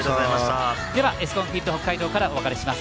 エスコンフィールド北海道からお別れします。